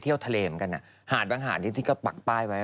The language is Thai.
ที่เขามามีบอกว่า